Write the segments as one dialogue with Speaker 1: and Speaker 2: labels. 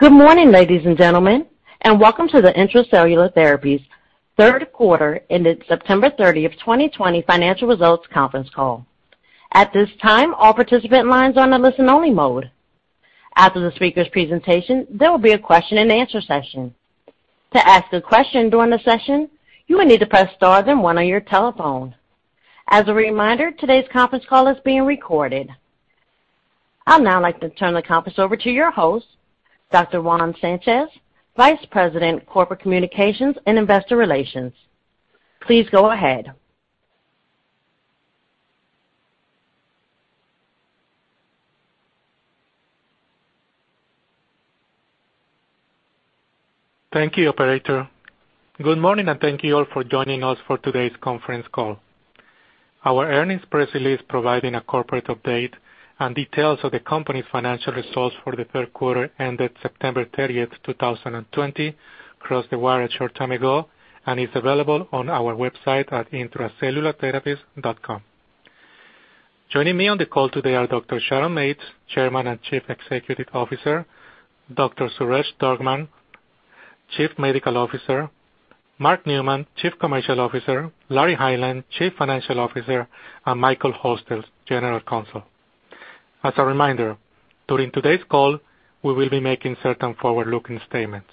Speaker 1: Good morning, ladies and gentlemen. Welcome to the Intra-Cellular Therapies third quarter ended September 30th, 2020 financial results conference call. I'd now like to turn the conference over to your host, Dr. Juan Sanchez, Vice President, Corporate Communications and Investor Relations. Please go ahead.
Speaker 2: Thank you, operator. Good morning, thank you all for joining us for today's conference call. Our earnings press release providing a corporate update and details of the company's financial results for the third quarter ended September 30, 2020, crossed the wire a short time ago and is available on our website at intracellulartherapies.com. Joining me on the call today are Dr. Sharon Mates, Chairman and Chief Executive Officer, Dr. Suresh Durgam, Chief Medical Officer, Mark Neumann, Chief Commercial Officer, Larry Hineline, Chief Financial Officer, and Michael Halstead, General Counsel. As a reminder, during today's call, we will be making certain forward-looking statements.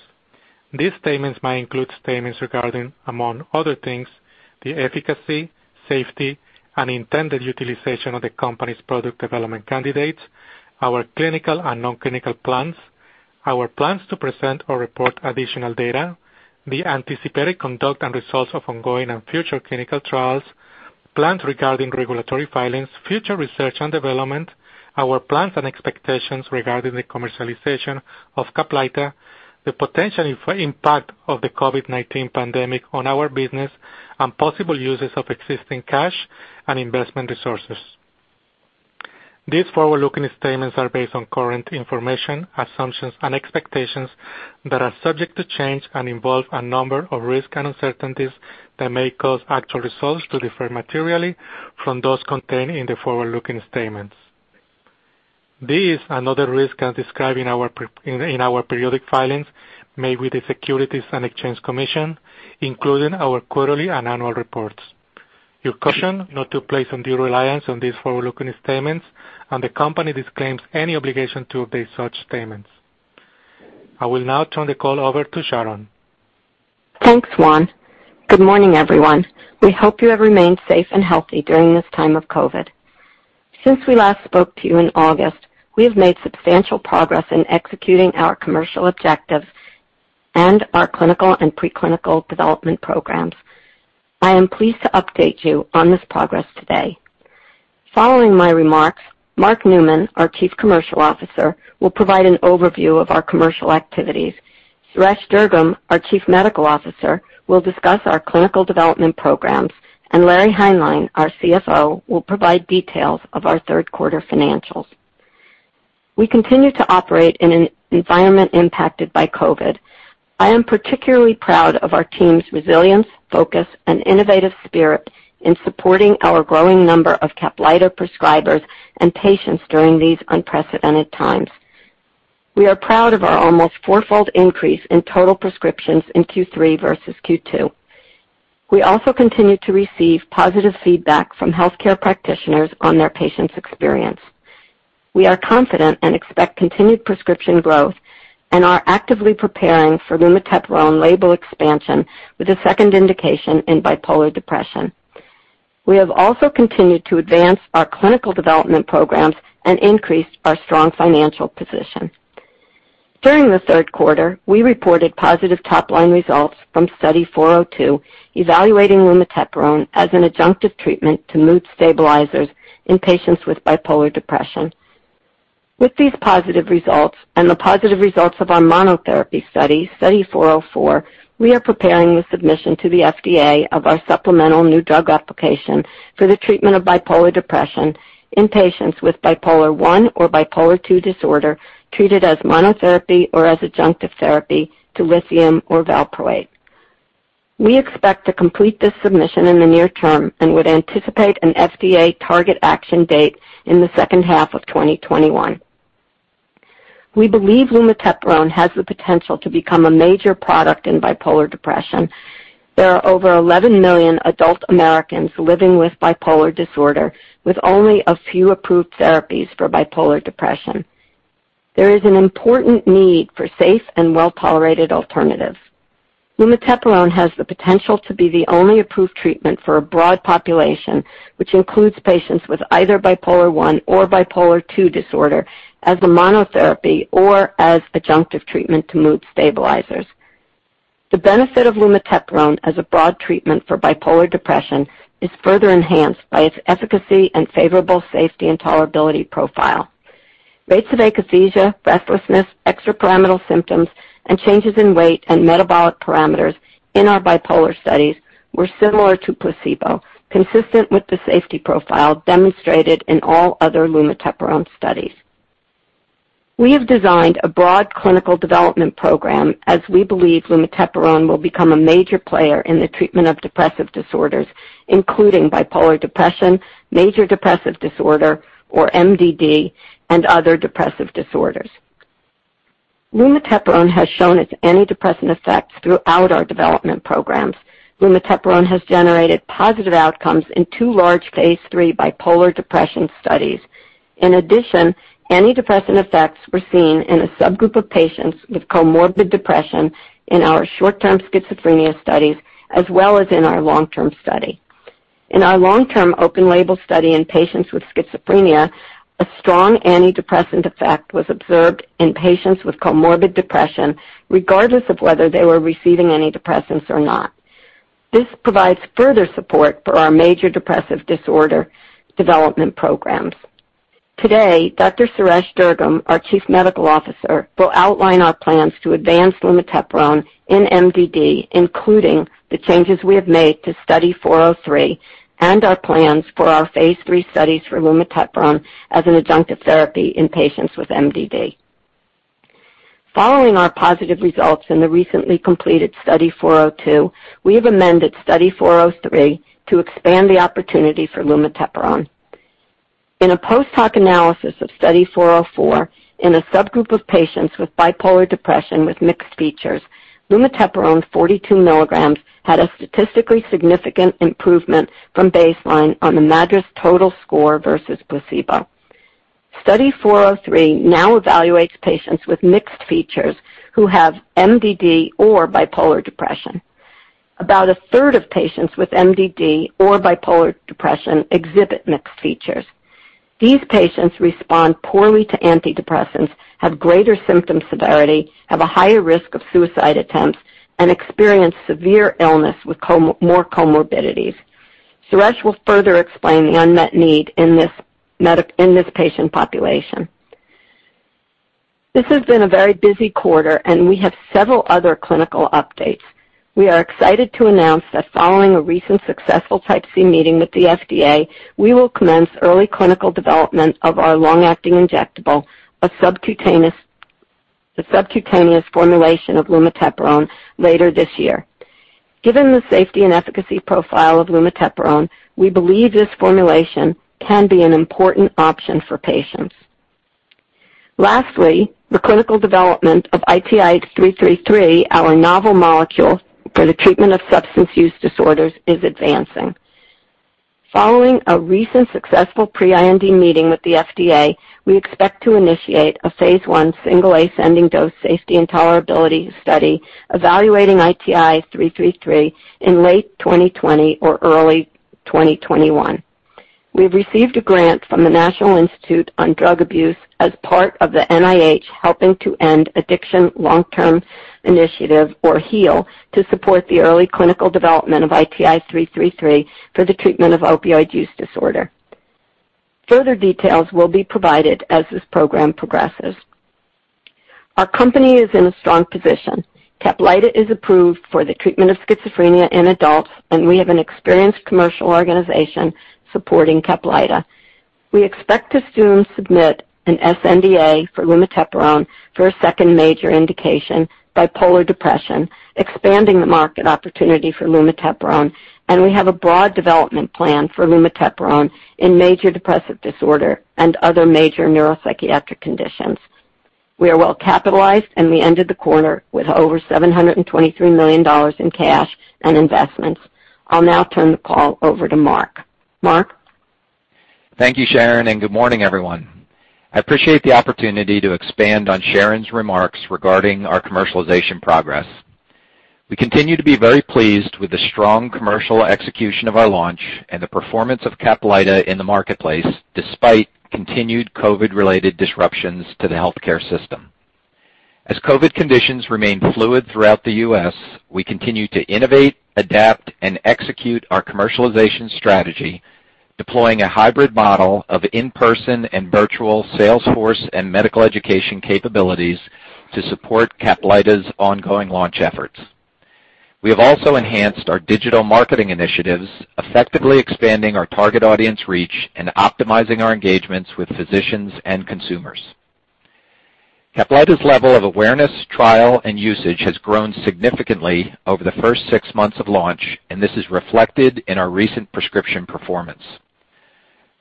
Speaker 2: These statements might include statements regarding, among other things, the efficacy, safety, and intended utilization of the company's product development candidates, our clinical and non-clinical plans, our plans to present or report additional data, the anticipated conduct and results of ongoing and future clinical trials, plans regarding regulatory filings, future research and development, our plans and expectations regarding the commercialization of CAPLYTA, the potential impact of the COVID-19 pandemic on our business, and possible uses of existing cash and investment resources. These forward-looking statements are based on current information, assumptions, and expectations that are subject to change and involve a number of risks and uncertainties that may cause actual results to differ materially from those contained in the forward-looking statements. These and other risks are described in our periodic filings made with the Securities and Exchange Commission, including our quarterly and annual reports. You are cautioned not to place undue reliance on these forward-looking statements. The company disclaims any obligation to update such statements. I will now turn the call over to Sharon.
Speaker 3: Thanks, Juan. Good morning, everyone. We hope you have remained safe and healthy during this time of COVID. Since we last spoke to you in August, we have made substantial progress in executing our commercial objectives and our clinical and pre-clinical development programs. I am pleased to update you on this progress today. Following my remarks, Mark Neumann, our Chief Commercial Officer, will provide an overview of our commercial activities. Suresh Durgam, our Chief Medical Officer, will discuss our clinical development programs, and Larry Hineline, our CFO, will provide details of our third quarter financials. We continue to operate in an environment impacted by COVID. I am particularly proud of our team's resilience, focus, and innovative spirit in supporting our growing number of CAPLYTA prescribers and patients during these unprecedented times. We are proud of our almost fourfold increase in total prescriptions in Q3 versus Q2. We also continue to receive positive feedback from healthcare practitioners on their patients' experience. We are confident and expect continued prescription growth and are actively preparing for lumateperone label expansion with a second indication in bipolar depression. We have also continued to advance our clinical development programs and increased our strong financial position. During the third quarter, we reported positive top-line results from Study 402 evaluating lumateperone as an adjunctive treatment to mood stabilizers in patients with bipolar depression. With these positive results and the positive results of our monotherapy study, Study 404, we are preparing the submission to the FDA of our supplemental new drug application for the treatment of bipolar depression in patients with Bipolar I or Bipolar II disorder, treated as monotherapy or as adjunctive therapy to lithium or valproate. We expect to complete this submission in the near term and would anticipate an FDA target action date in the second half of 2021. We believe lumateperone has the potential to become a major product in bipolar depression. There are over 11 million adult Americans living with bipolar disorder, with only a few approved therapies for bipolar depression. There is an important need for safe and well-tolerated alternatives. lumateperone has the potential to be the only approved treatment for a broad population, which includes patients with either Bipolar I or Bipolar II disorder as a monotherapy or as adjunctive treatment to mood stabilizers. The benefit of lumateperone as a broad treatment for bipolar depression is further enhanced by its efficacy and favorable safety and tolerability profile. Rates of akathisia, restlessness, extrapyramidal symptoms, and changes in weight and metabolic parameters in our bipolar studies were similar to placebo, consistent with the safety profile demonstrated in all other lumateperone studies. We have designed a broad clinical development program as we believe lumateperone will become a major player in the treatment of depressive disorders, including bipolar depression, major depressive disorder, or MDD, and other depressive disorders. Lumateperone has shown its antidepressant effects throughout our development programs. Lumateperone has generated positive outcomes in two large phase III bipolar depression studies. In addition, antidepressant effects were seen in a subgroup of patients with comorbid depression in our short-term schizophrenia studies, as well as in our long-term study. In our long-term open-label study in patients with schizophrenia, a strong antidepressant effect was observed in patients with comorbid depression regardless of whether they were receiving antidepressants or not. This provides further support for our major depressive disorder development programs. Today, Dr. Suresh Durgam, our Chief Medical Officer, will outline our plans to advance lumateperone in MDD, including the changes we have made to Study 403 and our plans for our phase III studies for lumateperone as an adjunctive therapy in patients with MDD. Following our positive results in the recently completed Study 402, we have amended Study 403 to expand the opportunity for lumateperone. In a post-hoc analysis of Study 404 in a subgroup of patients with bipolar depression with mixed features, lumateperone 42 mg had a statistically significant improvement from baseline on the MADRS total score versus placebo. Study 403 now evaluates patients with mixed features who have MDD or bipolar depression. About a third of patients with MDD or bipolar depression exhibit mixed features. These patients respond poorly to antidepressants, have greater symptom severity, have a higher risk of suicide attempts, and experience severe illness with more comorbidities. Suresh will further explain the unmet need in this patient population. This has been a very busy quarter, and we have several other clinical updates. We are excited to announce that following a recent successful Type C meeting with the FDA, we will commence early clinical development of our long-acting injectable, a subcutaneous formulation of lumateperone, later this year. Given the safety and efficacy profile of lumateperone, we believe this formulation can be an important option for patients. Lastly, the clinical development of ITI-333, our novel molecule for the treatment of substance use disorders, is advancing. Following a recent successful pre-IND meeting with the FDA, we expect to initiate a phase I single-ascending dose safety and tolerability study evaluating ITI-333 in late 2020 or early 2021. We've received a grant from the National Institute on Drug Abuse as part of the NIH Helping to End Addiction Long-term initiative, or HEAL, to support the early clinical development of ITI-333 for the treatment of opioid use disorder. Further details will be provided as this program progresses. Our company is in a strong position. CAPLYTA is approved for the treatment of schizophrenia in adults, and we have an experienced commercial organization supporting CAPLYTA. We expect to soon submit an sNDA for lumateperone for a second major indication, bipolar depression, expanding the market opportunity for lumateperone, and we have a broad development plan for lumateperone in major depressive disorder and other major neuropsychiatric conditions. We are well capitalized, and we ended the quarter with over $723 million in cash and investments. I'll now turn the call over to Mark. Mark?
Speaker 4: Thank you, Sharon. Good morning, everyone. I appreciate the opportunity to expand on Sharon's remarks regarding our commercialization progress. We continue to be very pleased with the strong commercial execution of our launch and the performance of CAPLYTA in the marketplace, despite continued COVID-related disruptions to the healthcare system. As COVID conditions remain fluid throughout the U.S., we continue to innovate, adapt, and execute our commercialization strategy, deploying a hybrid model of in-person and virtual sales force and medical education capabilities to support CAPLYTA's ongoing launch efforts. We have also enhanced our digital marketing initiatives, effectively expanding our target audience reach and optimizing our engagements with physicians and consumers. CAPLYTA's level of awareness, trial, and usage has grown significantly over the first six months of launch, and this is reflected in our recent prescription performance.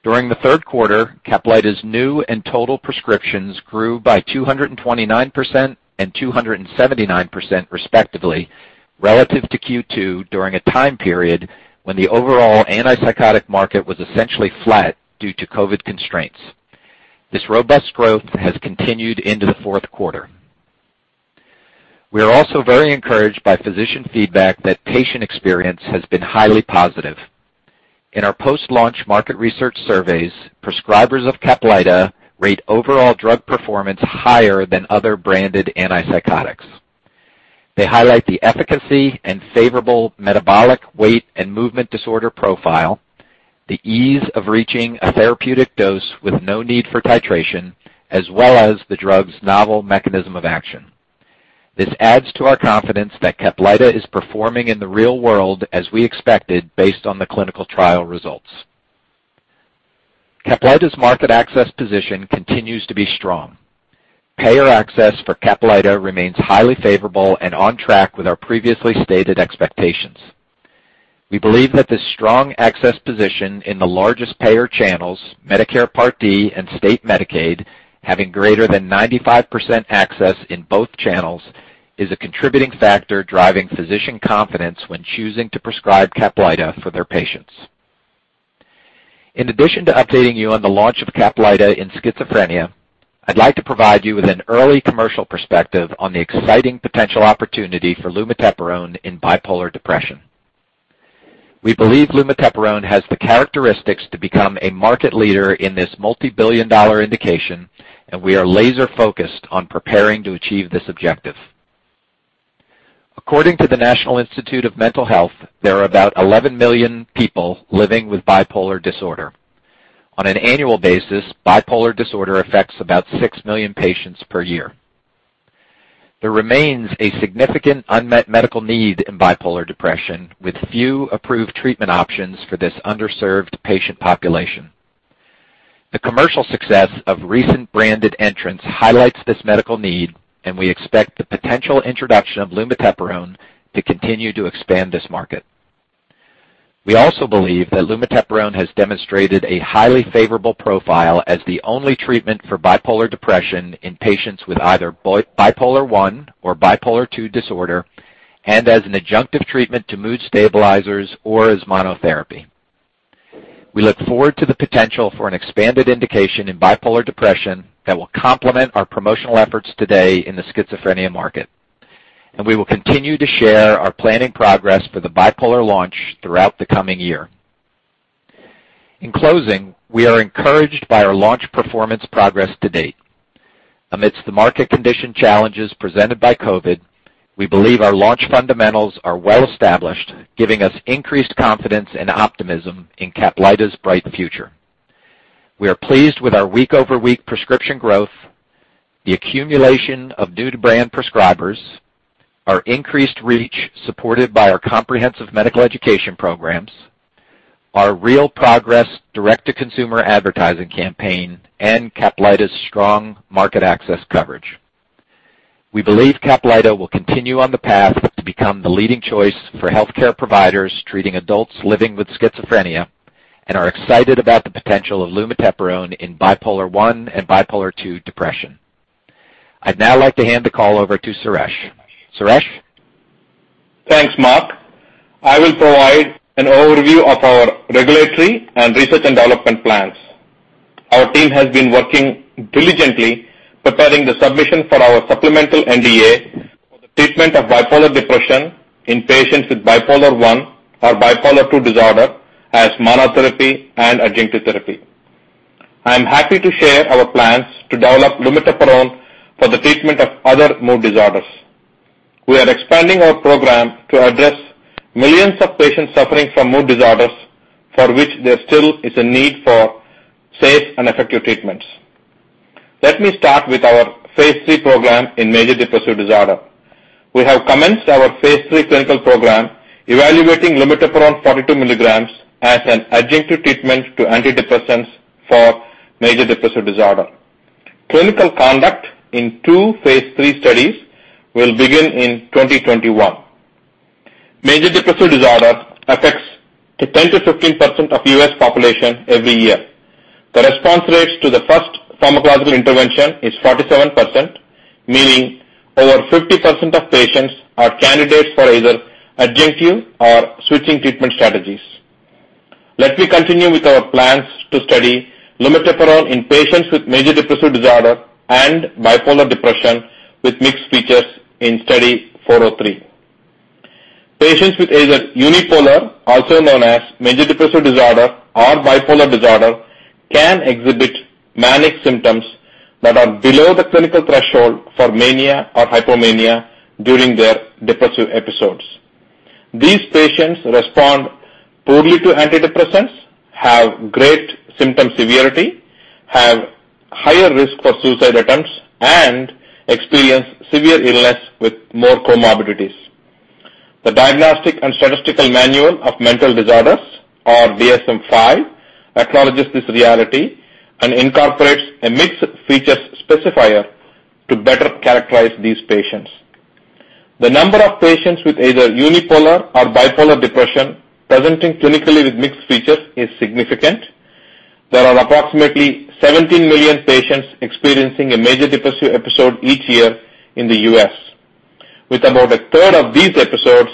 Speaker 4: During the third quarter, CAPLYTA's new and total prescriptions grew by 229% and 279% respectively relative to Q2 during a time period when the overall antipsychotic market was essentially flat due to COVID constraints. This robust growth has continued into the fourth quarter. We are also very encouraged by physician feedback that patient experience has been highly positive. In our post-launch market research surveys, prescribers of CAPLYTA rate overall drug performance higher than other branded antipsychotics. They highlight the efficacy and favorable metabolic weight and movement disorder profile, the ease of reaching a therapeutic dose with no need for titration, as well as the drug's novel mechanism of action. This adds to our confidence that CAPLYTA is performing in the real world as we expected based on the clinical trial results. CAPLYTA's market access position continues to be strong. Payer access for CAPLYTA remains highly favorable and on track with our previously stated expectations. We believe that this strong access position in the largest payer channels, Medicare Part D and State Medicaid, having greater than 95% access in both channels, is a contributing factor driving physician confidence when choosing to prescribe CAPLYTA for their patients. In addition to updating you on the launch of CAPLYTA in schizophrenia, I'd like to provide you with an early commercial perspective on the exciting potential opportunity for lumateperone in bipolar depression. We believe lumateperone has the characteristics to become a market leader in this multibillion-dollar indication. We are laser-focused on preparing to achieve this objective. According to the National Institute of Mental Health, there are about 11 million people living with bipolar disorder. On an annual basis, bipolar disorder affects about 6 million patients per year. There remains a significant unmet medical need in bipolar depression, with few approved treatment options for this underserved patient population. The commercial success of recent branded entrants highlights this medical need, and we expect the potential introduction of lumateperone to continue to expand this market. We also believe that lumateperone has demonstrated a highly favorable profile as the only treatment for bipolar depression in patients with either Bipolar I or Bipolar II disorder and as an adjunctive treatment to mood stabilizers or as monotherapy. We look forward to the potential for an expanded indication in bipolar depression that will complement our promotional efforts today in the schizophrenia market. We will continue to share our planning progress for the bipolar launch throughout the coming year. In closing, we are encouraged by our launch performance progress to date. Amidst the market condition challenges presented by COVID, we believe our launch fundamentals are well established, giving us increased confidence and optimism in CAPLYTA's bright future. We are pleased with our week-over-week prescription growth, the accumulation of new-to-brand prescribers, our increased reach supported by our comprehensive medical education programs, our real progress direct-to-consumer advertising campaign, and CAPLYTA's strong market access coverage. We believe CAPLYTA will continue on the path to become the leading choice for healthcare providers treating adults living with schizophrenia and are excited about the potential of lumateperone in Bipolar I and Bipolar II depression. I'd now like to hand the call over to Suresh. Suresh?
Speaker 5: Thanks, Mark. I will provide an overview of our regulatory and research and development plans. Our team has been working diligently preparing the submission for our supplemental NDA for the treatment of bipolar depression in patients with Bipolar I or Bipolar II disorder as monotherapy and adjunctive therapy. I am happy to share our plans to develop lumateperone for the treatment of other mood disorders. We are expanding our program to address millions of patients suffering from mood disorders for which there still is a need for safe and effective treatments. Let me start with our phase III program in major depressive disorder. We have commenced our phase III clinical program evaluating lumateperone 42 mg as an adjunctive treatment to antidepressants for major depressive disorder. Clinical conduct in two phase III studies will begin in 2021. Major depressive disorder affects 10%-15% of U.S. population every year. The response rates to the first pharmacological intervention is 47%, meaning over 50% of patients are candidates for either adjunctive or switching treatment strategies. Let me continue with our plans to study lumateperone in patients with major depressive disorder and bipolar depression with mixed features in Study 403. Patients with either unipolar, also known as major depressive disorder or bipolar disorder, can exhibit manic symptoms that are below the clinical threshold for mania or hypomania during their depressive episodes. These patients respond poorly to antidepressants, have great symptom severity, have higher risk for suicide attempts, and experience severe illness with more comorbidities. The Diagnostic and Statistical Manual of Mental Disorders, or DSM-5, acknowledges this reality and incorporates a mixed features specifier to better characterize these patients. The number of patients with either unipolar or bipolar depression presenting clinically with mixed features is significant. There are approximately 17 million patients experiencing a major depressive episode each year in the U.S., with about a third of these episodes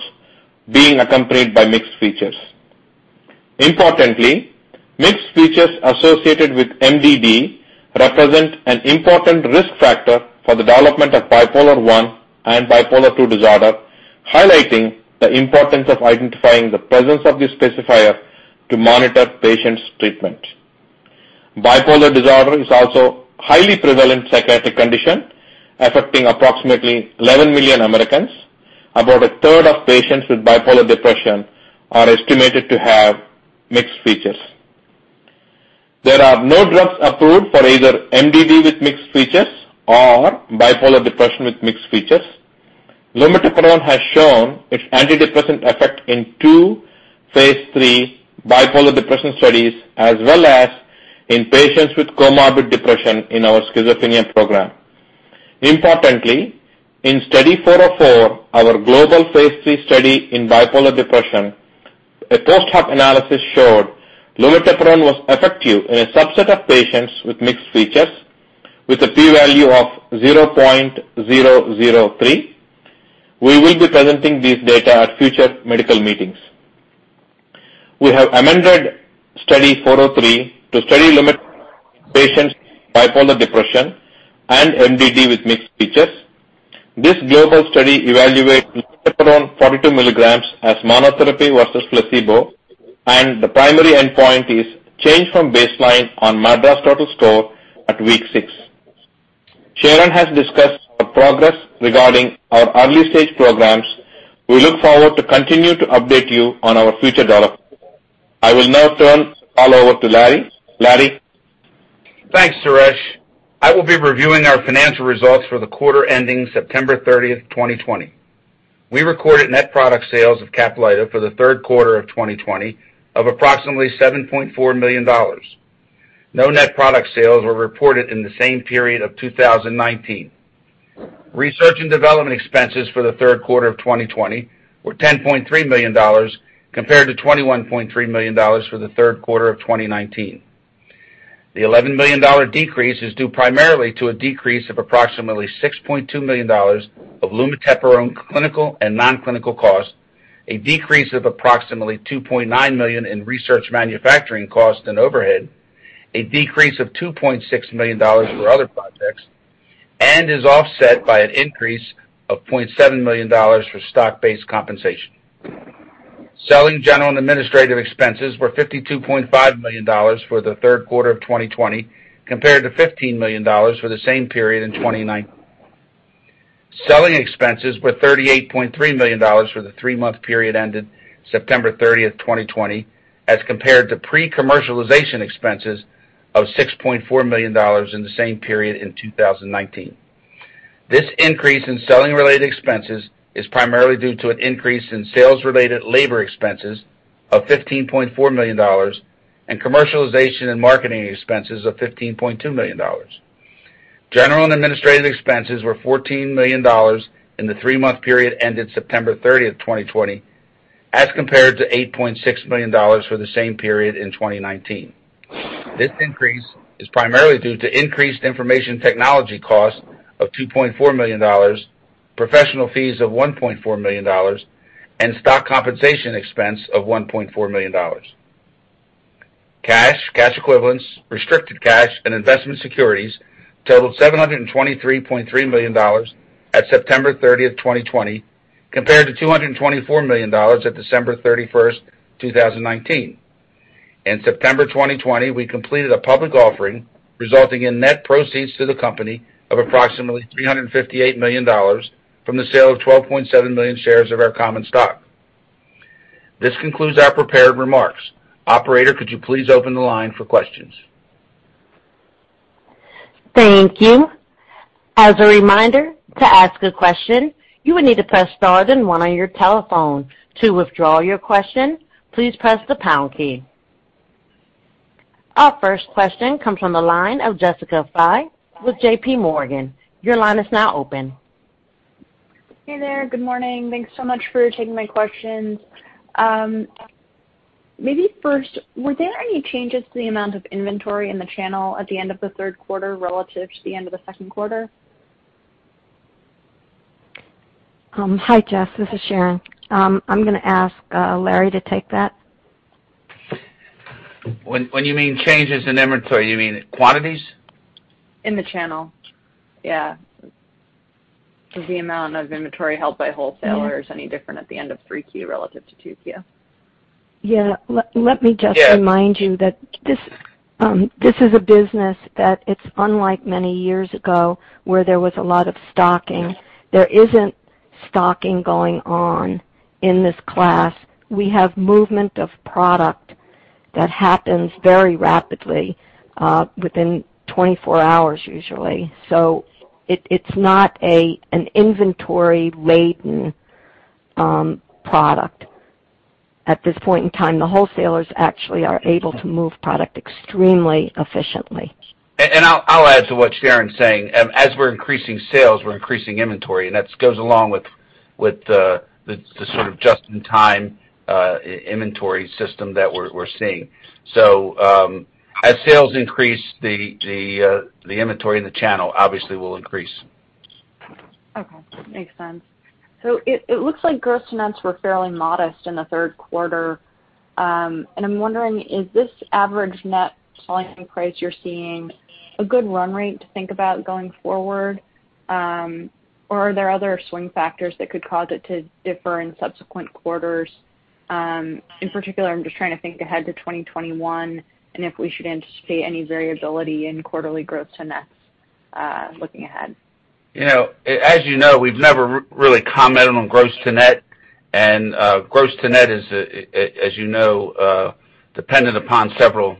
Speaker 5: being accompanied by mixed features. Importantly, mixed features associated with MDD represent an important risk factor for the development of Bipolar I and Bipolar II disorder, highlighting the importance of identifying the presence of this specifier to monitor patients' treatment. Bipolar disorder is also a highly prevalent psychiatric condition affecting approximately 11 million Americans. About a third of patients with bipolar depression are estimated to have mixed features. There are no drugs approved for either MDD with mixed features or bipolar depression with mixed features. Lumateperone has shown its antidepressant effect in two phase III Bipolar depression studies, as well as in patients with comorbid depression in our schizophrenia program. Importantly, in Study 404, our global phase III study in Bipolar depression, a post-hoc analysis showed lumateperone was effective in a subset of patients with mixed features with a P value of 0.003. We will be presenting these data at future medical meetings. We have amended Study 403 to study lumateperone patients with Bipolar depression and MDD with mixed features. This global study evaluates lumateperone 42 milligrams as monotherapy versus placebo, and the primary endpoint is change from baseline on MADRS total score at week six. Sharon has discussed our progress regarding our early-stage programs. We look forward to continue to update you on our future developments. I will now turn the call over to Larry. Larry?
Speaker 6: Thanks, Suresh. I will be reviewing our financial results for the quarter ending September 30th, 2020. We recorded net product sales of CAPLYTA for the third quarter of 2020 of approximately $7.4 million. No net product sales were reported in the same period of 2019. Research and development expenses for the third quarter of 2020 were $10.3 million compared to $21.3 million for the third quarter of 2019. The $11 million decrease is due primarily to a decrease of approximately $6.2 million of lumateperone clinical and non-clinical costs, a decrease of approximately $2.9 million in research manufacturing costs and overhead, a decrease of $2.6 million for other projects, and is offset by an increase of $0.7 million for stock-based compensation. Selling general and administrative expenses were $52.5 million for the third quarter of 2020 compared to $15 million for the same period in 2019. Selling expenses were $38.3 million for the three-month period ended September 30th, 2020, as compared to pre-commercialization expenses of $6.4 million in the same period in 2019. This increase in selling-related expenses is primarily due to an increase in sales-related labor expenses of $15.4 million and commercialization and marketing expenses of $15.2 million. General and administrative expenses were $14 million in the three-month period ended September 30th, 2020, as compared to $8.6 million for the same period in 2019. This increase is primarily due to increased information technology costs of $2.4 million, professional fees of $1.4 million, and stock compensation expense of $1.4 million. Cash, cash equivalents, restricted cash, and investment securities totaled $723.3 million at September 30th, 2020, compared to $224 million at December 31st, 2019. In September 2020, we completed a public offering resulting in net proceeds to the company of approximately $358 million from the sale of 12.7 million shares of our common stock. This concludes our prepared remarks. Operator, could you please open the line for questions?
Speaker 1: Our first question comes from the line of Jessica Fye with JPMorgan. Your line is now open.
Speaker 7: Hey there. Good morning. Thanks so much for taking my questions. Maybe first, were there any changes to the amount of inventory in the channel at the end of the third quarter relative to the end of the second quarter?
Speaker 3: Hi, Jess. This is Sharon. I'm going to ask Larry to take that.
Speaker 6: When you mean changes in inventory, you mean quantities?
Speaker 7: In the channel, yeah. Is the amount of inventory held by wholesalers any different at the end of 3Q relative to 2Q?
Speaker 3: Yeah. Let me just remind you that this is a business that it's unlike many years ago, where there was a lot of stocking. There isn't stocking going on in this class. We have movement of product that happens very rapidly, within 24 hours usually. It's not an inventory-laden product. At this point in time, the wholesalers actually are able to move product extremely efficiently.
Speaker 6: I'll add to what Sharon's saying. As we're increasing sales, we're increasing inventory, and that goes along with the sort of just-in-time inventory system that we're seeing. As sales increase, the inventory in the channel obviously will increase.
Speaker 7: Okay. Makes sense. It looks like gross-to-nets were fairly modest in the third quarter. I'm wondering, is this average net selling price you're seeing a good run rate to think about going forward? Or are there other swing factors that could cause it to differ in subsequent quarters? In particular, I'm just trying to think ahead to 2021 and if we should anticipate any variability in quarterly gross-to-nets looking ahead.
Speaker 6: As you know, we've never really commented on gross to net. Gross to net is, as you know, dependent upon several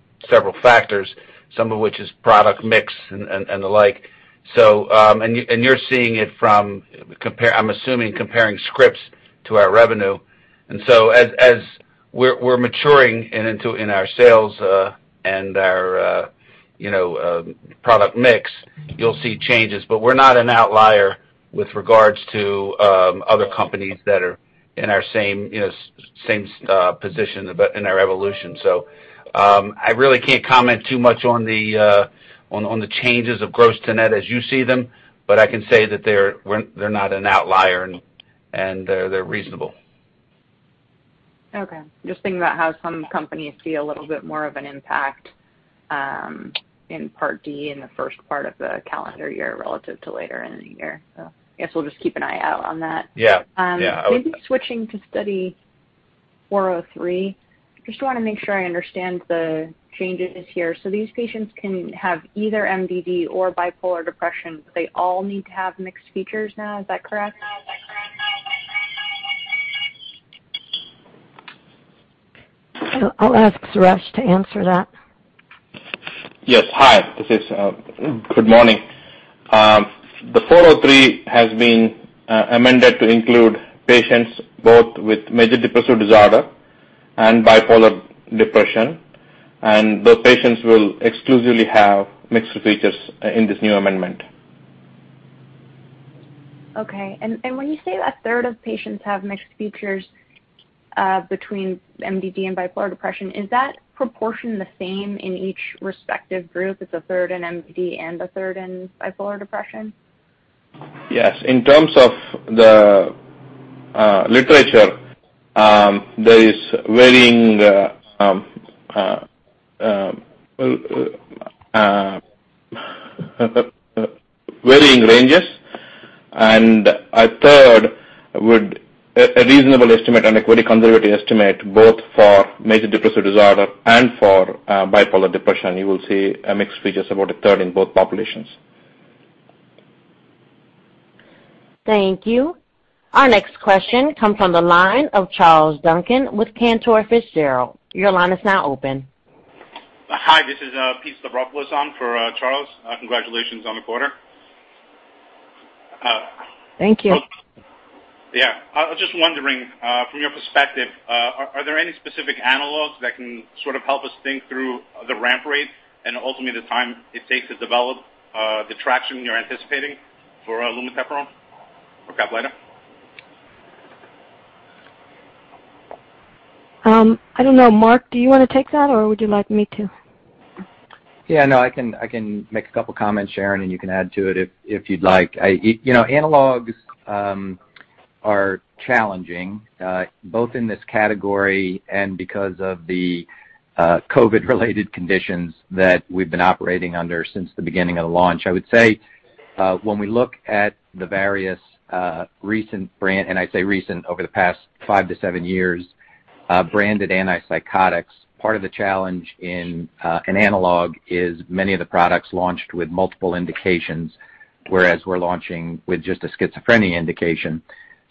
Speaker 6: factors, some of which is product mix and the like. You're seeing it from, I'm assuming, comparing scripts to our revenue. As we're maturing in our sales and our product mix, you'll see changes, but we're not an outlier with regards to other companies that are in our same position in our evolution. I really can't comment too much on the changes of gross to net as you see them, but I can say that they're not an outlier, and they're reasonable.
Speaker 7: Okay. Just thinking about how some companies see a little bit more of an impact in Part D in the first part of the calendar year relative to later in the year. I guess we'll just keep an eye out on that.
Speaker 6: Yeah.
Speaker 7: Maybe switching to Study 403. Just want to make sure I understand the changes here. These patients can have either MDD or bipolar depression, but they all need to have mixed features now. Is that correct?
Speaker 3: I'll ask Suresh to answer that.
Speaker 5: Yes. Hi, good morning. The 403 has been amended to include patients both with major depressive disorder and bipolar depression, and those patients will exclusively have mixed features in this new amendment.
Speaker 7: Okay. When you say a third of patients have mixed features between MDD and Bipolar Depression, is that proportion the same in each respective group? It's a third in MDD and a third in Bipolar Depression?
Speaker 5: Yes. In terms of the literature, there is varying ranges. A reasonable estimate and a pretty conservative estimate both for major depressive disorder and for bipolar depression, you will see mixed features about a third in both populations.
Speaker 1: Thank you. Our next question comes from the line of Charles Duncan with Cantor Fitzgerald. Your line is now open.
Speaker 8: Hi, this is Pete Stavropoulos on for Charles. Congratulations on the quarter.
Speaker 3: Thank you.
Speaker 8: Yeah. I was just wondering, from your perspective, are there any specific analogs that can sort of help us think through the ramp rate and ultimately the time it takes to develop the traction you're anticipating for lumateperone or CAPLYTA?
Speaker 3: I don't know. Mark, do you want to take that, or would you like me to?
Speaker 4: I can make a couple comments, Sharon, and you can add to it if you'd like. Analogs are challenging both in this category and because of the COVID related conditions that we've been operating under since the beginning of the launch. When we look at the various recent brand, and I say recent over the past 5 to 7 years, branded antipsychotics, part of the challenge in an analog is many of the products launched with multiple indications, whereas we're launching with just a schizophrenia indication.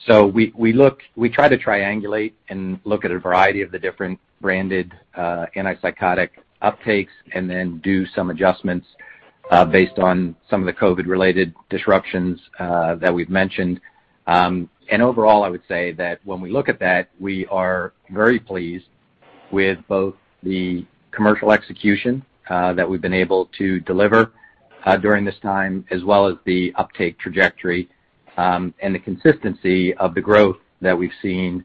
Speaker 4: We try to triangulate and look at a variety of the different branded antipsychotic uptakes and then do some adjustments based on some of the COVID related disruptions that we've mentioned. Overall, I would say that when we look at that, we are very pleased with both the commercial execution that we've been able to deliver during this time as well as the uptake trajectory and the consistency of the growth that we've seen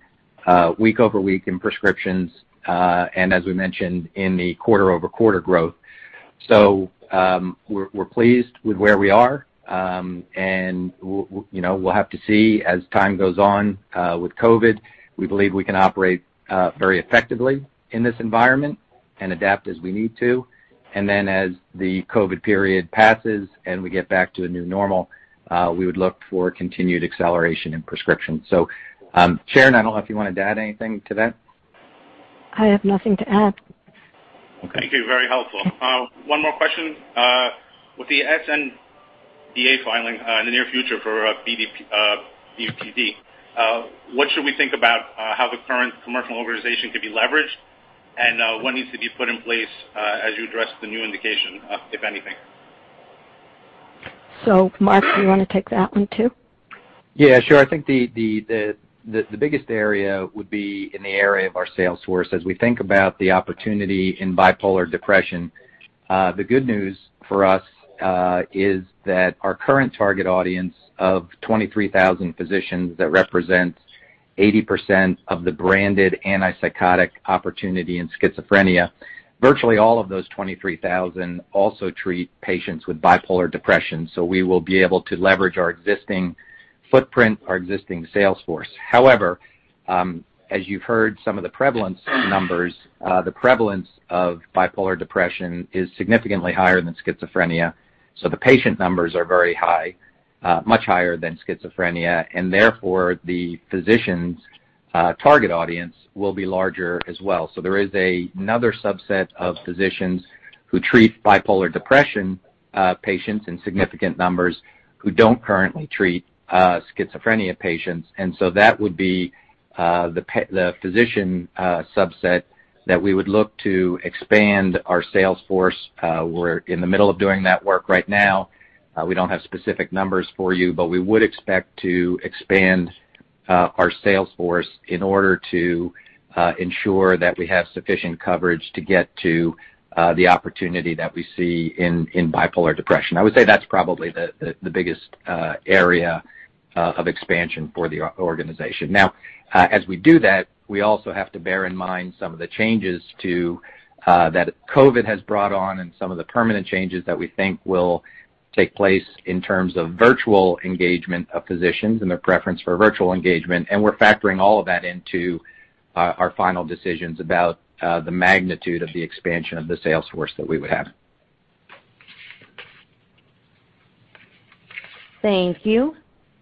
Speaker 4: week-over-week in prescriptions, and as we mentioned, in the quarter-over-quarter growth. We're pleased with where we are. We'll have to see as time goes on with COVID. We believe we can operate very effectively in this environment and adapt as we need to. As the COVID period passes and we get back to a new normal, we would look for continued acceleration in prescription. Sharon, I don't know if you wanted to add anything to that.
Speaker 3: I have nothing to add.
Speaker 8: Thank you. Very helpful. One more question. With the sNDA filing in the near future for BPD, what should we think about how the current commercial organization could be leveraged and what needs to be put in place as you address the new indication, if anything?
Speaker 3: Mark, do you want to take that one too?
Speaker 4: Yeah, sure. I think the biggest area would be in the area of our sales force. As we think about the opportunity in bipolar depression, the good news for us is that our current target audience of 23,000 physicians that represents 80% of the branded antipsychotic opportunity in schizophrenia. Virtually all of those 23,000 also treat patients with bipolar depression. We will be able to leverage our existing footprint, our existing sales force. However, as you've heard some of the prevalence numbers, the prevalence of bipolar depression is significantly higher than schizophrenia. The patient numbers are very high, much higher than schizophrenia, and therefore the physicians' target audience will be larger as well. There is another subset of physicians who treat bipolar depression patients in significant numbers who don't currently treat schizophrenia patients. That would be the physician subset that we would look to expand our sales force. We're in the middle of doing that work right now. We don't have specific numbers for you, but we would expect to expand our sales force in order to ensure that we have sufficient coverage to get to the opportunity that we see in bipolar depression. I would say that's probably the biggest area of expansion for the organization. As we do that, we also have to bear in mind some of the changes that COVID has brought on, and some of the permanent changes that we think will take place in terms of virtual engagement of physicians and their preference for virtual engagement. We're factoring all of that into our final decisions about the magnitude of the expansion of the sales force that we would have.
Speaker 1: Thank you.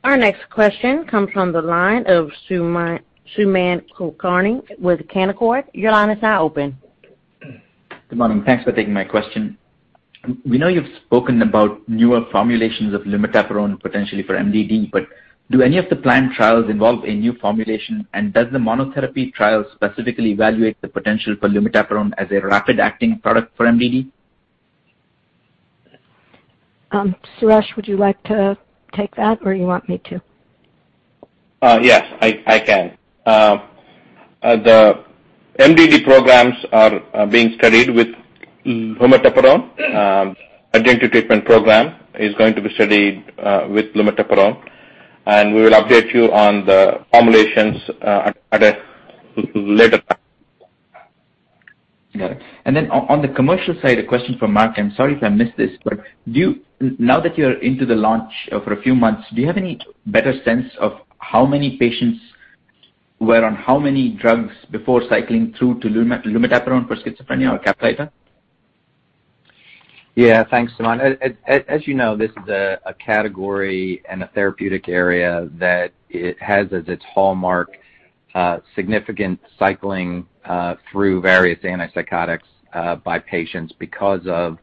Speaker 1: Our next question comes from the line of Sumant Kulkarni with Canaccord. Your line is now open.
Speaker 9: Good morning. Thanks for taking my question. We know you've spoken about newer formulations of lumateperone, potentially for MDD. Do any of the planned trials involve a new formulation? Does the monotherapy trial specifically evaluate the potential for lumateperone as a rapid-acting product for MDD?
Speaker 3: Suresh, would you like to take that, or you want me to?
Speaker 5: Yes, I can. The MDD programs are being studied with lumateperone. Add-on treatment program is going to be studied with lumateperone, and we will update you on the formulations at a later time.
Speaker 9: Got it. On the commercial side, a question for Mark. I'm sorry if I missed this, now that you're into the launch for a few months, do you have an
Speaker 4: Yeah. Thanks, Sumant. As you know, this is a category and a therapeutic area that it has as its hallmark significant cycling through various antipsychotics by patients because of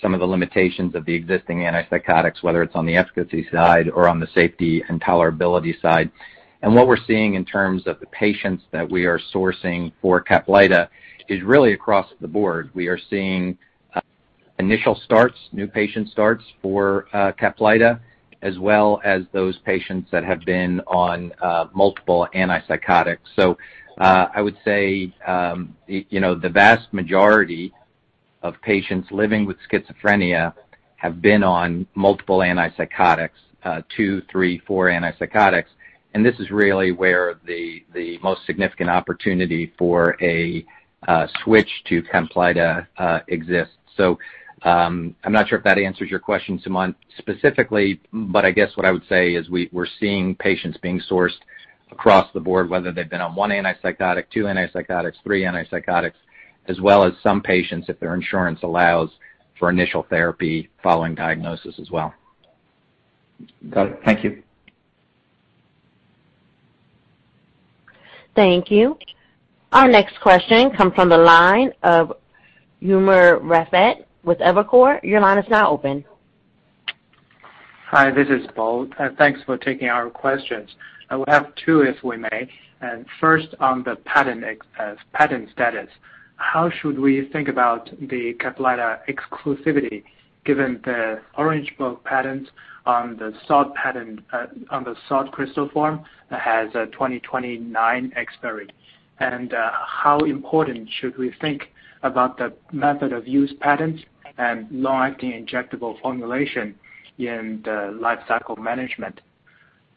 Speaker 4: some of the limitations of the existing antipsychotics, whether it's on the efficacy side or on the safety and tolerability side. What we're seeing in terms of the patients that we are sourcing for CAPLYTA is really across the board. We are seeing initial starts, new patient starts for CAPLYTA, as well as those patients that have been on multiple antipsychotics. I would say the vast majority of patients living with schizophrenia have been on multiple antipsychotics, two, three, four antipsychotics. This is really where the most significant opportunity for a switch to CAPLYTA exists. I'm not sure if that answers your question, Sumant, specifically, but I guess what I would say is we're seeing patients being sourced across the board, whether they've been on one antipsychotic, two antipsychotics, three antipsychotics, as well as some patients if their insurance allows for initial therapy following diagnosis as well.
Speaker 9: Got it. Thank you.
Speaker 1: Thank you. Our next question comes from the line of Umer Raffat with Evercore.
Speaker 10: Hi, this is Bo. Thanks for taking our questions. I have two, if we may. First, on the patent status. How should we think about the CAPLYTA exclusivity given the Orange Book patents on the salt crystal form that has a 2029 expiry? How important should we think about the method of use patents and long-acting injectable formulation in the life cycle management?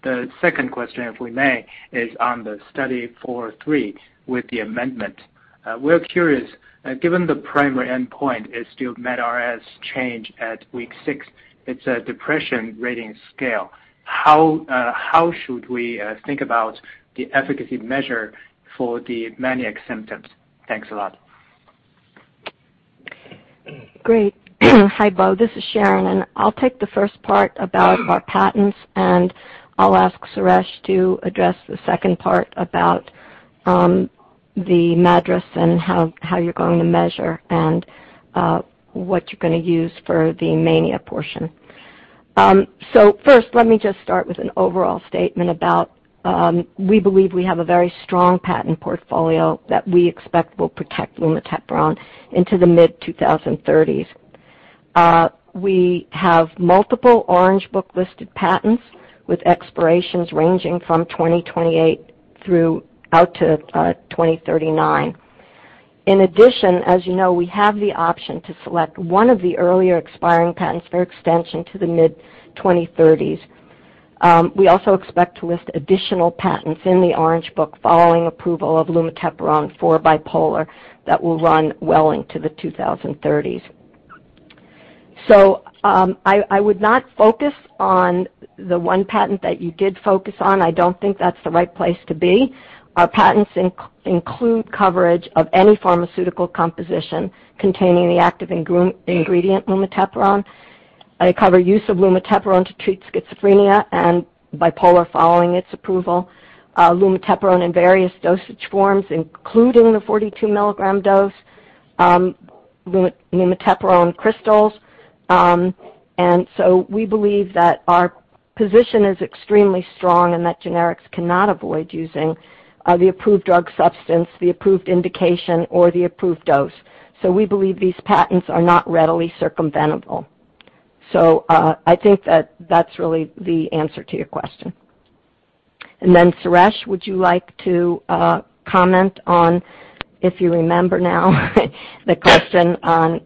Speaker 10: The second question, if we may, is on the Study 403 with the amendment. We're curious, given the primary endpoint is still MADRS change at week 6, it's a depression rating scale. How should we think about the efficacy measure for the manic symptoms? Thanks a lot.
Speaker 3: Great. Hi, Bo. This is Sharon, and I'll take the first part about our patents, and I'll ask Suresh to address the second part about the MADRS and how you're going to measure, and what you're going to use for the mania portion. First, let me just start with an overall statement about we believe we have a very strong patent portfolio that we expect will protect lumateperone into the mid 2030s. We have multiple Orange Book-listed patents with expirations ranging from 2028-2039. In addition, as you know, we have the option to select one of the earlier expiring patents for extension to the mid-2030s. We also expect to list additional patents in the Orange Book following approval of lumateperone for bipolar that will run well into the 2030s. I would not focus on the one patent that you did focus on. I don't think that's the right place to be. Our patents include coverage of any pharmaceutical composition containing the active ingredient, lumateperone. They cover use of lumateperone to treat schizophrenia and bipolar following its approval. Lumateperone in various dosage forms, including the 42 milligram dose, lumateperone crystals. We believe that our position is extremely strong and that generics cannot avoid using the approved drug substance, the approved indication, or the approved dose. We believe these patents are not readily circumventable. I think that's really the answer to your question. Then, Suresh, would you like to comment on, if you remember now the question on.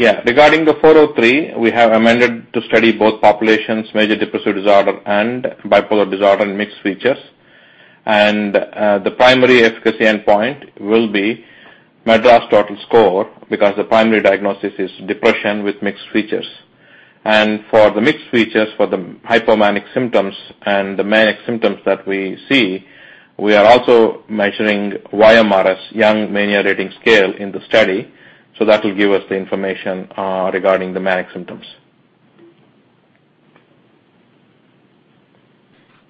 Speaker 5: Regarding Study 403, we have amended to study both populations, major depressive disorder and bipolar depression with mixed features. The primary efficacy endpoint will be MADRS total score because the primary diagnosis is depression with mixed features. For the mixed features, for the hypomanic symptoms and the manic symptoms that we see, we are also measuring YMRS, Young Mania Rating Scale, in the study. That will give us the information regarding the manic symptoms.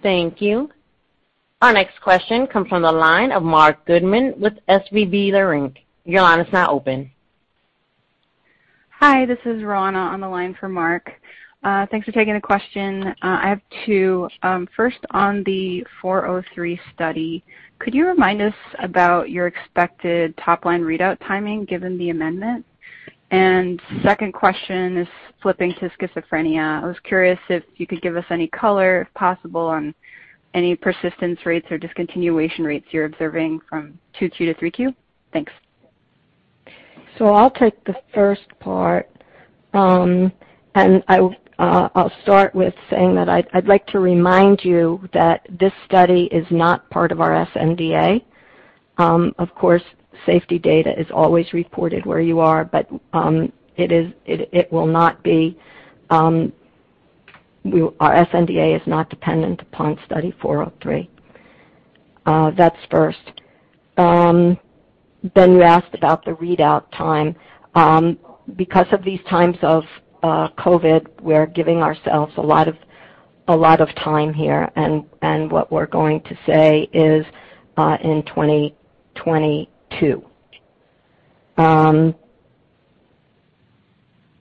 Speaker 1: Thank you. Our next question comes from the line of Marc Goodman with SVB Leerink. Your line is now open.
Speaker 11: Hi, this is Roanna on the line for Marc. Thanks for taking the question. I have two. First, on the Study 403, could you remind us about your expected top-line readout timing given the amendment? Second question is flipping to schizophrenia. I was curious if you could give us any color, if possible, on any persistence rates or discontinuation rates you're observing from 2Q to 3Q. Thanks.
Speaker 3: I'll take the first part. I'll start with saying that I'd like to remind you that this study is not part of our sNDA. Of course, safety data is always reported where you are, but our sNDA is not dependent upon Study 403. That's first. You asked about the readout time. Because of these times of COVID, we're giving ourselves a lot of time here, and what we're going to say is in 2022.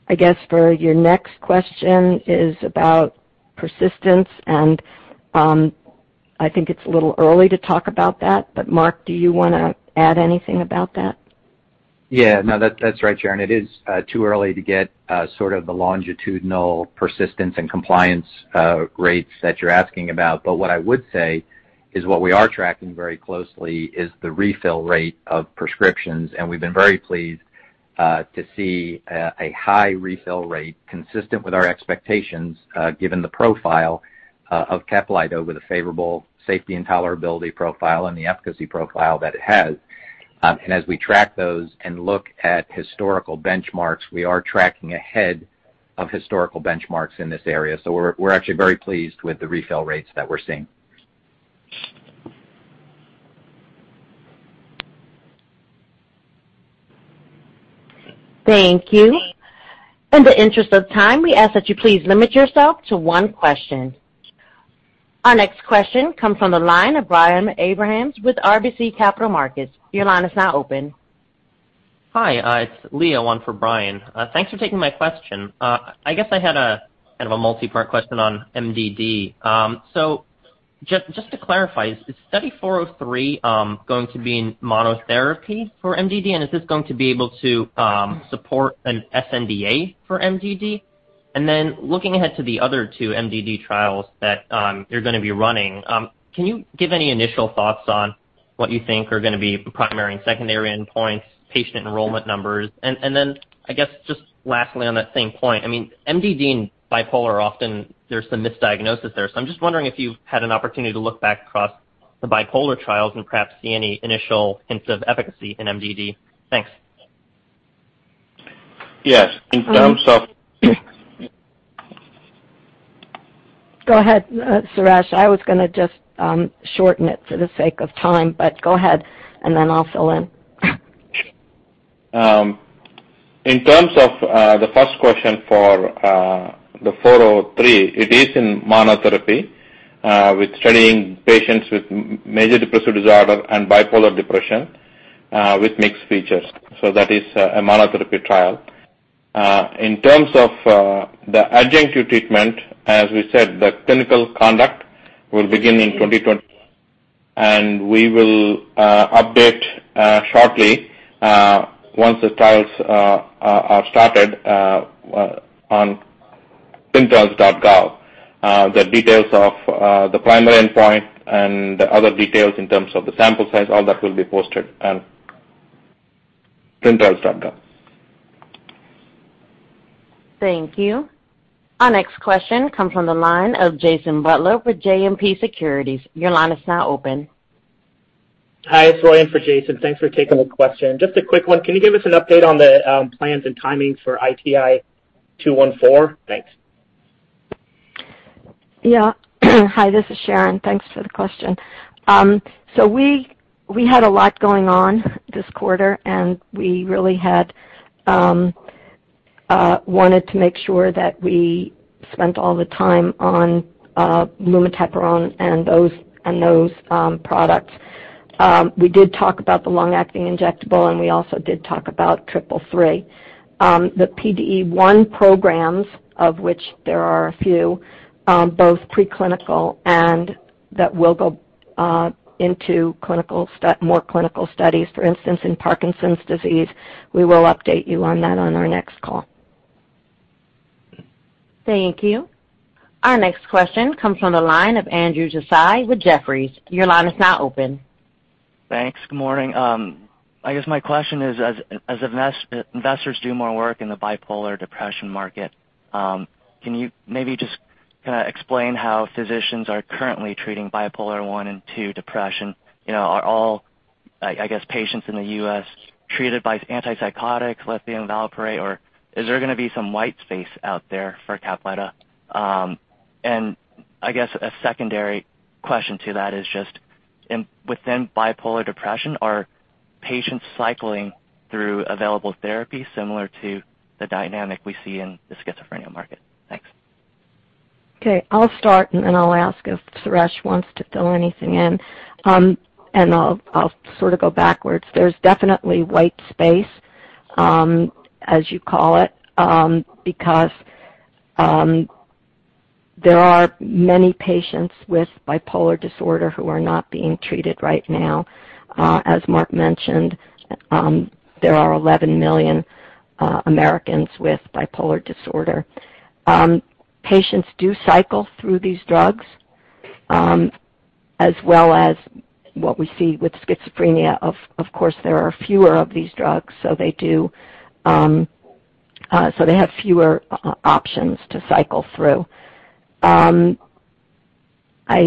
Speaker 3: I guess for your next question is about persistence, and I think it's a little early to talk about that, but Mark, do you want to add anything about that?
Speaker 4: Yeah, that's right, Sharon. It is too early to get sort of the longitudinal persistence and compliance rates that you're asking about. What I would say is what we are tracking very closely is the refill rate of prescriptions, and we've been very pleased to see a high refill rate consistent with our expectations given the profile of CAPLYTA with a favorable safety and tolerability profile and the efficacy profile that it has. As we track those and look at historical benchmarks, we are tracking ahead of historical benchmarks in this area. We're actually very pleased with the refill rates that we're seeing.
Speaker 1: Thank you. In the interest of time, we ask that you please limit yourself to one question. Our next question comes from the line of Brian Abrahams with RBC Capital Markets. Your line is now open.
Speaker 12: Hi, it's Leo on for Brian. Thanks for taking my question. I guess I had a kind of a multi-part question on MDD. Just to clarify, is Study 403 going to be in monotherapy for MDD, and is this going to be able to support an sNDA for MDD? Looking ahead to the other two MDD trials that you're going to be running, can you give any initial thoughts on what you think are going to be primary and secondary endpoints, patient enrollment numbers? I guess just lastly on that same point, I mean, MDD and bipolar, often there's some misdiagnosis there. I'm just wondering if you've had an opportunity to look back across the bipolar trials and perhaps see any initial hints of efficacy in MDD. Thanks.
Speaker 5: Yes.
Speaker 3: Go ahead, Suresh. I was going to just shorten it for the sake of time, but go ahead, and then I'll fill in.
Speaker 5: In terms of the first question for the 403, it is in monotherapy with studying patients with major depressive disorder and bipolar depression with mixed features. That is a monotherapy trial. In terms of the adjunctive treatment, as we said, the clinical conduct will begin in 2021, and we will update shortly once the trials are started on clinicaltrials.gov. The details of the primary endpoint and other details in terms of the sample size, all that will be posted on clinicaltrials.gov.
Speaker 1: Thank you. Our next question comes from the line of Jason Butler with JMP Securities. Your line is now open.
Speaker 13: Hi, it's Ryan for Jason. Thanks for taking the question. Just a quick one. Can you give us an update on the plans and timing for ITI-214? Thanks.
Speaker 3: Hi, this is Sharon. Thanks for the question. We had a lot going on this quarter, and we really had wanted to make sure that we spent all the time on lumateperone and those products. We did talk about the long-acting injectable, and we also did talk about ITI-333. The PDE1 programs, of which there are a few, both preclinical and that will go into more clinical studies. For instance, in Parkinson's disease. We will update you on that on our next call.
Speaker 1: Thank you. Our next question comes from the line of Andrew Tsai with Jefferies. Your line is now open.
Speaker 14: Thanks. Good morning. I guess my question is, as investors do more work in the bipolar depression market, can you maybe just explain how physicians are currently treating bipolar I and II depression? Are all, I guess, patients in the U.S. treated by antipsychotics, lithium, valproate, or is there going to be some white space out there for CAPLYTA? I guess a secondary question to that is just, within bipolar depression, are patients cycling through available therapy similar to the dynamic we see in the schizophrenia market? Thanks.
Speaker 3: Okay. I'll start, and then I'll ask if Suresh wants to fill anything in. I'll sort of go backwards. There's definitely white space, as you call it because there are many patients with bipolar disorder who are not being treated right now. As Mark mentioned, there are 11 million Americans with bipolar disorder. Patients do cycle through these drugs, as well as what we see with schizophrenia. Of course, there are fewer of these drugs, so they have fewer options to cycle through. I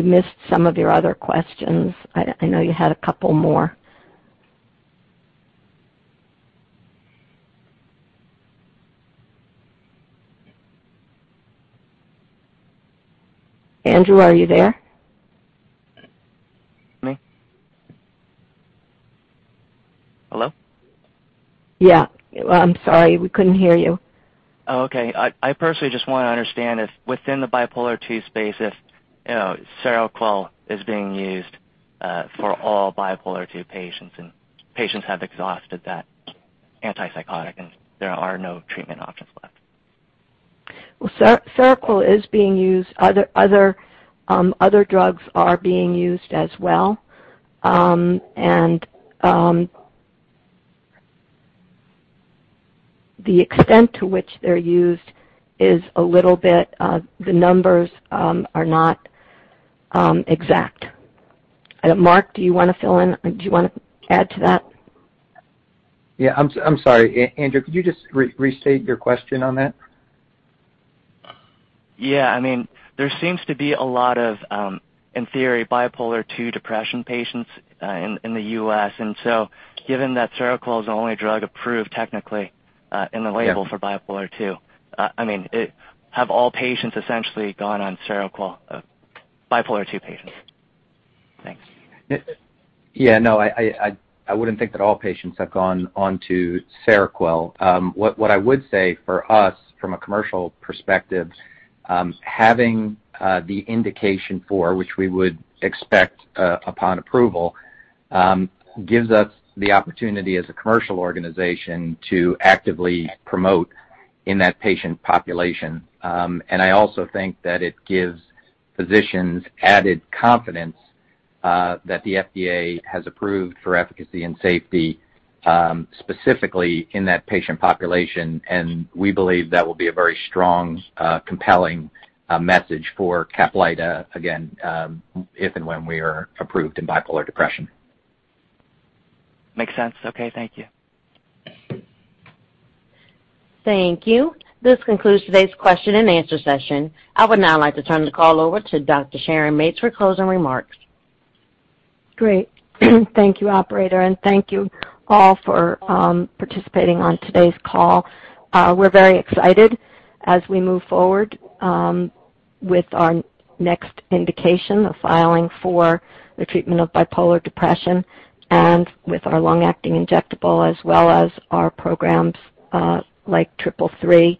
Speaker 3: missed some of your other questions. I know you had a couple more. Andrew, are you there?
Speaker 14: Me? Hello?
Speaker 3: Yeah. I'm sorry. We couldn't hear you.
Speaker 14: Oh, okay. I personally just want to understand if within the bipolar II space, if SEROQUEL is being used for all bipolar II patients, and patients have exhausted that antipsychotic and there are no treatment options left.
Speaker 3: SEROQUEL is being used. Other drugs are being used as well. The extent to which they're used is a little bit, the numbers are not exact. Mark, do you want to fill in? Do you want to add to that?
Speaker 4: Yeah, I'm sorry. Andrew, could you just restate your question on that?
Speaker 14: Yeah. There seems to be a lot of, in theory, Bipolar II depression patients in the U.S. Given that SEROQUEL is the only drug approved technically in the label for Bipolar II, have all patients essentially gone on SEROQUEL, Bipolar II patients? Thanks.
Speaker 4: Yeah. No, I wouldn't think that all patients have gone on to SEROQUEL. What I would say for us, from a commercial perspective, having the indication for which we would expect upon approval, gives us the opportunity as a commercial organization to actively promote in that patient population. I also think that it gives physicians added confidence that the FDA has approved for efficacy and safety, specifically in that patient population. We believe that will be a very strong, compelling message for CAPLYTA, again, if and when we are approved in bipolar depression.
Speaker 14: Makes sense. Okay. Thank you.
Speaker 1: Thank you. This concludes today's question and answer session. I would now like to turn the call over to Dr. Sharon Mates for closing remarks.
Speaker 3: Great. Thank you, operator. Thank you all for participating on today's call. We're very excited as we move forward with our next indication of filing for the treatment of bipolar depression and with our long-acting injectable, as well as our programs like ITI-333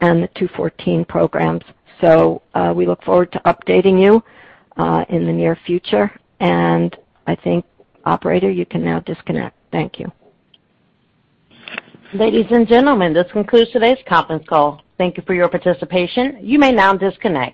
Speaker 3: and the ITI-214 programs. We look forward to updating you in the near future. I think, operator, you can now disconnect. Thank you.
Speaker 1: Ladies and gentlemen, this concludes today's conference call. Thank you for your participation. You may now disconnect.